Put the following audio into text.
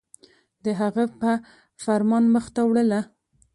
د هغه په فرمان مخ ته وړله